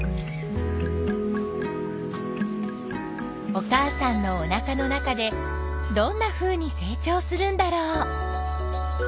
お母さんのおなかの中でどんなふうに成長するんだろう。